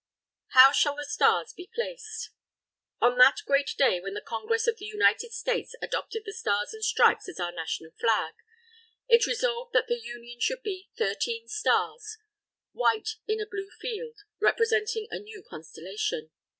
HOW SHALL THE STARS BE PLACED? On that great day, when the Congress of the United States adopted the Stars and Stripes as our National Flag, it resolved that the union should be Thirteen Stars, white in a blue field, representing a new Constellation.